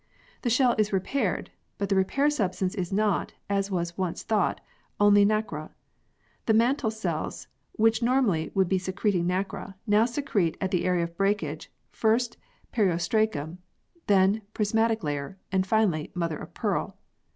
The shell is repaired, but the repair substance is not, as was once thought, only nacre. The mantle cells, which normally would be secreting nacre, now secrete at the area of breakage, first periostracum, then prismatic layer, and finally mother of pearl.